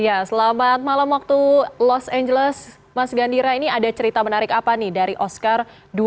ya selamat malam waktu los angeles mas gandhira ini ada cerita menarik apa nih dari oscar dua ribu dua puluh